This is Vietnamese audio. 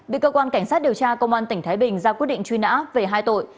bị cơ quan cảnh sát điều tra công an tỉnh thái bình ra quyết định truy nã về hai tội